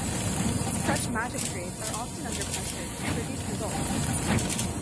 Such magistrates are often under pressure to produce results.